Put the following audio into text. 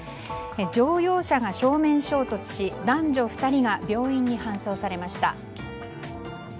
乗用車が正面衝突し男女２人が病院に搬送されました。